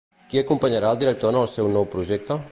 Qui acompanyà el director en el seu nou projecte?